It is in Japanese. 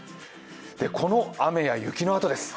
この雨や雪のあとです。